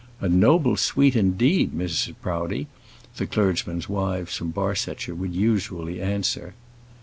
"A noble suite, indeed, Mrs. Proudie!" the clergymen's wives from Barsetshire would usually answer.